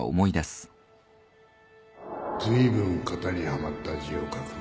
ずいぶん型にはまった字を書くね